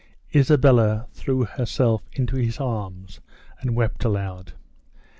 Isabella threw herself into his arms and wept aloud.